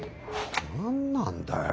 何なんだよ